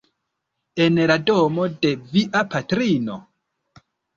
En la domo de via patrino?